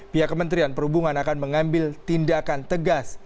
pihak kementerian perhubungan akan mengambil tindakan tegas